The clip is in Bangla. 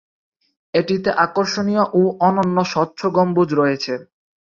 এটিতে আকর্ষণীয় ও অনন্য স্বচ্ছ গম্বুজ রয়েছে।